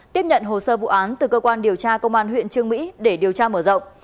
tiếp nhận hồ sơ vụ án từ cơ quan điều tra công an huyện trương mỹ để điều tra mở rộng